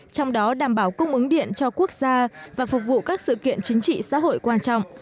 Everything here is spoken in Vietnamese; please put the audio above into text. trong đó đảm bảo cung ứng điện cho quốc gia và phục vụ các sự kiện chính trị xã hội quan trọng